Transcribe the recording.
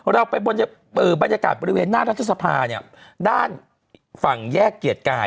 เราไปบริเวณบริเวณหน้ารัฐสภาด้านฝั่งแยกเกียรติกาย